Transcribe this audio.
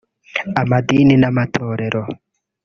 Amadini n’Amatorero